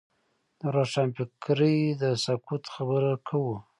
د روښانفکرۍ د سقوط خبره کوو.